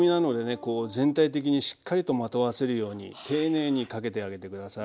こう全体的にしっかりとまとわせるように丁寧にかけてあげて下さい。